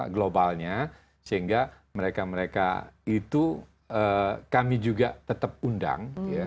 globalnya sehingga mereka mereka itu kami juga tetap undang